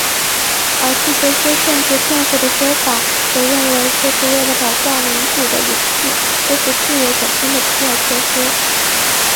而替这些限制辩护的说法则认为这是为了保障民主的永续或是自由本身的必要措施。